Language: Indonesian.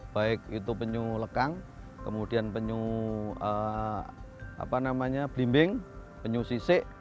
baik itu penyuh lekang kemudian penyuh blimbing penyuh sisek